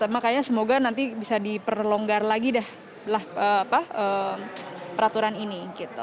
makanya semoga nanti bisa diperlonggar lagi dah peraturan ini